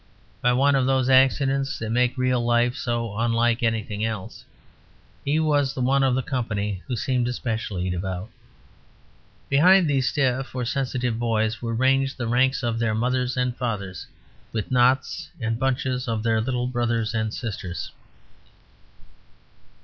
By one of those accidents that make real life so unlike anything else, he was the one of the company who seemed especially devout. Behind these stiff or sensitive boys were ranged the ranks of their mothers and fathers, with knots and bunches of their little brothers and sisters.